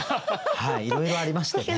はいいろいろありましたね。